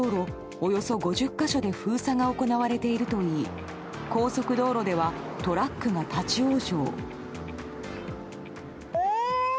およそ５０か所で封鎖が行われているといい高速道路ではトラックが立ち往生。